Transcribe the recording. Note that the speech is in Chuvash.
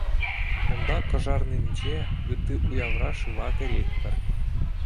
Унта Кӑшарнинче, ытти уявра шыва кӗретпӗр.